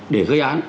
để gây án